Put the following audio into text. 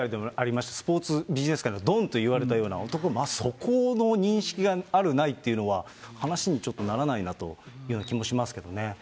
ＶＴＲでもありましたスポーツビジネス界のドンと言われたような男にそこの認識があるないっていうのは、話にちょっとならないなというような気もしますけどね。